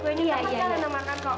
ini tempat yang alena makan kok